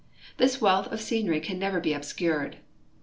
This wealth of scenery can never be obscured.